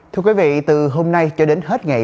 thưa quý vị từ hôm nay cho đến hôm nay